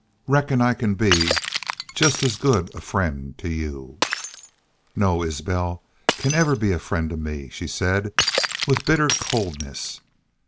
Reckon I can be just as good a a friend to you " "No Isbel, can ever be a friend to me," she said, with bitter coldness.